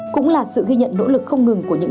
cũng là sự ghi nhận nỗ lực không ngừng của những